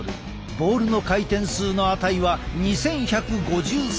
ボールの回転数の値は２，１５３。